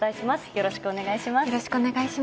よろしくお願いします。